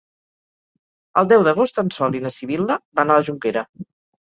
El deu d'agost en Sol i na Sibil·la van a la Jonquera.